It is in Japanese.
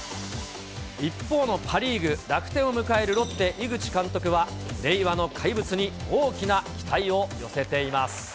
一方のパ・リーグ、楽天を迎えるロッテ、井口監督は、令和の怪物に大きな期待を寄せています。